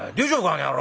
あの野郎」。